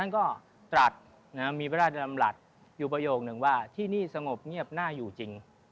ก็แวะมาที่นี่